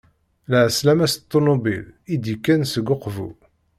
Lɛeslama s ṭunubil, i d-yekkan seg Uqbu.